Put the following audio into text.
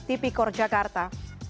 di panggilan tp cor jakarta